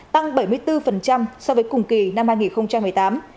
tăng bảy mươi bốn so với cùng kỳ năm hai nghìn một mươi tám